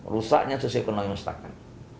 rusaknya sosial ekonomi masyarakat